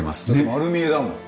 丸見えだもん。